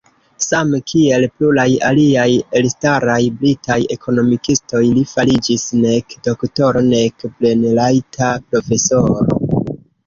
Same kiel pluraj aliaj elstaraj britaj ekonomikistoj, li fariĝis nek doktoro nek plenrajta profesoro.